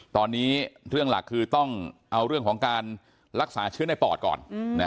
ตอนนี้เรื่องหลักคือต้องเอาเรื่องของการรักษาเชื้อในปอดก่อน